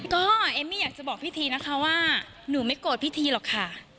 ก็เอมมี่อยากจะบอกพี่ทีนะคะว่าหนูไม่โกรธพี่ทีหรอกค่ะ